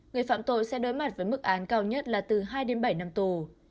người phạm tội sẽ đối mặt với mức án cao nhất là từ hai đến bảy năm tù